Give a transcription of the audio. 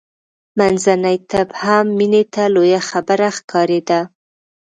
منځنی طب هم مینې ته لویه خبره ښکارېده